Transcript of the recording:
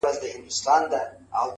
ياد مي دي تا چي شنه سهار كي ويل!!